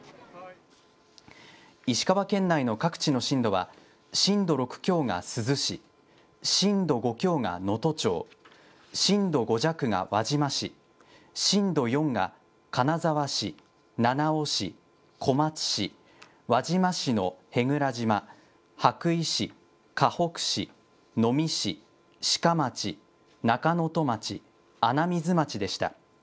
石川県内の各地の震度は、震度６強が珠洲市、震度５強が能登町、震度５弱が輪島市、震度４が金沢市、七尾市、小松市、輪島市の舳倉島、羽咋市、かほく市、能美市、志賀町、中能登町、穴水町でした。